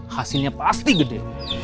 hasilnya pasti gede